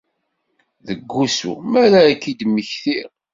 Deg wusu, mi ara k-id-mmektiɣ.